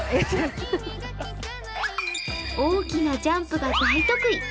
大きなジャンプが大得意。